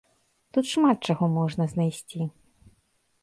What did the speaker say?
Тут шмат чаго можна знайсці.